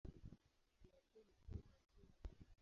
Kuna pia mikondo ya chini.